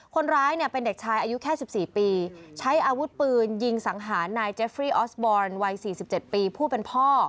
คนร้ายเนี่ยเป็นเด็กชายอายุแค่๑๔ปีใช้อาวุธปืนยิงสังหารนายเจฟรีออสบอลวัย๔๗ปีผู้เป็นพ่อ